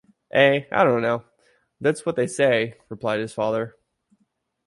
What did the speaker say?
“Eh, I dunno; that’s what they say,” replied his father.